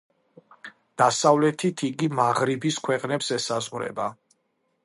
დასავლეთით იგი მაღრიბის ქვეყნებს ესაზღვრება.